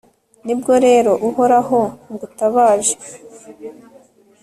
ni bwo rero, uhoraho, ngutabaje